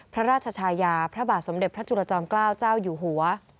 พระราชชายาพระบาทสมเด็จพระจุลจอมเกล้าเจ้าอยู่หัว